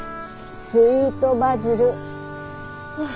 スイートバジル。